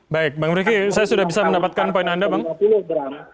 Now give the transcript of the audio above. baik bang riki saya sudah bisa mendapatkan poin anda bang